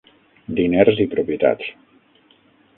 diners i propietats.